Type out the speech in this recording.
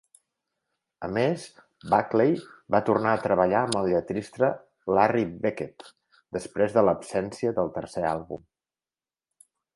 A més, Buckley va tornar a treballar amb el lletrista Larry Beckett, després de l'absència del tercer àlbum.